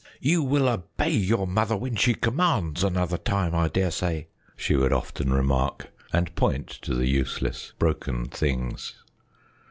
"You will obey your mother when she commands, another time, I daresay," she would often remark, and point to the useless, broken things.